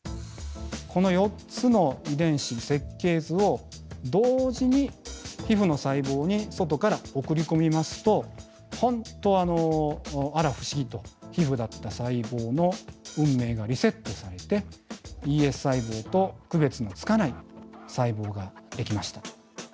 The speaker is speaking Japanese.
この４つの遺伝子設計図を同時に皮ふの細胞に外から送り込みますと本当あら不思議と皮ふだった細胞の運命がリセットされてＥＳ細胞と区別のつかない細胞ができました。